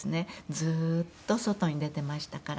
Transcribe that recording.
ずーっと外に出てましたから。